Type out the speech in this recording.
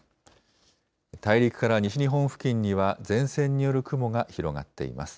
大陸から西日本付近には、前線による雲が広がっています。